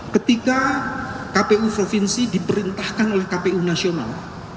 ketika kpu provinsi diperintahkan oleh kpu nasional